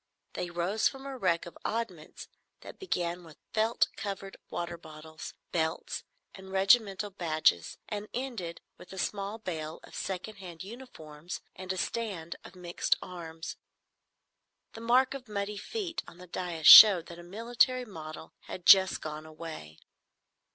They rose from a wreck of oddments that began with felt covered water bottles, belts, and regimental badges, and ended with a small bale of second hand uniforms and a stand of mixed arms. The mark of muddy feet on the dais showed that a military model had just gone away.